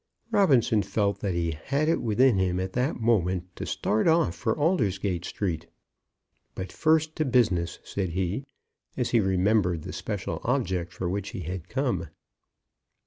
Robinson felt that he had it within him at that moment to start off for Aldersgate Street. "But first to business," said he, as he remembered the special object for which he had come.